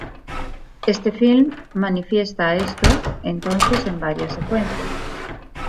Este film, manifiesta esto entonces en varias secuencias.